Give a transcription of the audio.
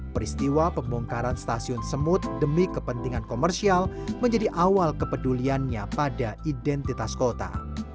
peristiwa pembongkaran stasiun semut demi kepentingan komersial menjadi awal kepeduliannya pada identitas kota